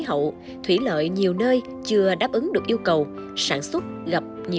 xin chào các bạn